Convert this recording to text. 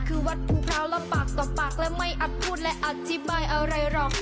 คือวัดมะพร้าวแล้วปากต่อปากและไม่อัดพูดและอธิบายอะไรหรอก